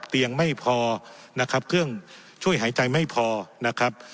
เตียงไม่พอนะครับเครื่องช่วยหายใจไม่พอนะครับ